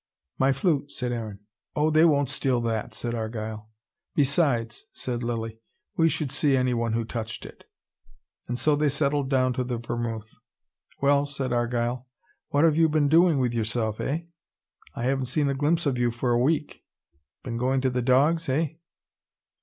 "My flute," said Aaron. "Oh, they won't steal that," said Argyle. "Besides," said Lilly, "we should see anyone who touched it." And so they settled down to the vermouth. "Well," said Argyle, "what have you been doing with yourself, eh? I haven't seen a glimpse of you for a week. Been going to the dogs, eh?"